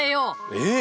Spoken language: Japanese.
えっ？